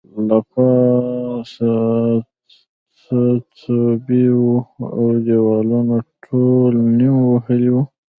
له پاسه څڅوبی وو او دیوالونه ټول نم وهلي وو